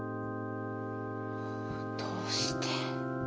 どうして。